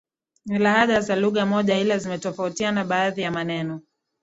Ni lahaja za lugha moja ila zimetofautiana baadhi ya maneno